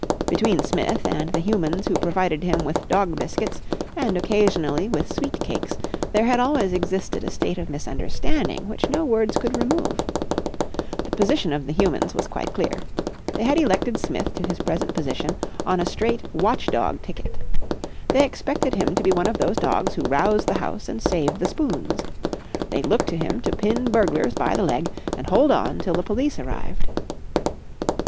Between Smith and the humans who provided him with dog biscuits and occasionally with sweet cakes there had always existed a state of misunderstanding which no words could remove. The position of the humans was quite clear; they had elected Smith to his present position on a straight watch dog ticket. They expected him to be one of those dogs who rouse the house and save the spoons. They looked to him to pin burglars by the leg and hold on till the police arrived.